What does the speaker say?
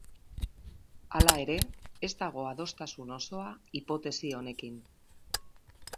Hala ere, ez dago adostasun osoa hipotesi honekin.